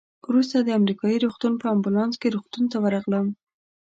وروسته د امریکایي روغتون په امبولانس کې روغتون ته ورغلم.